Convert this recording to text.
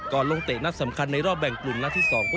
ลงเตะนัดสำคัญในรอบแบ่งกลุ่มนัดที่๒